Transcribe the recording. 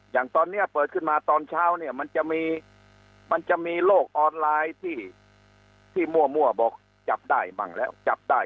อย่างตอนนี้เปิดขึ้นมาตอนเช้าเนี่ยมันจะมีมันจะมีโลกออนไลน์ที่มั่วบอกจับได้มั่งแล้วจับได้